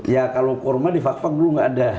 ya kalau kurma di fak fak dulu nggak ada